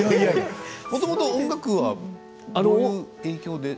もともと音楽はどういう影響で？